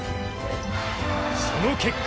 その結果